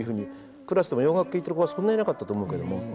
クラスでも洋楽聴いてる子はそんないなかったと思うけども。